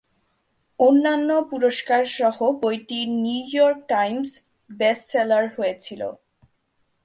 অন্যান্য পুরস্কারসহ বইটি নিউইয়র্ক টাইমস বেস্ট সেলার হয়েছিল।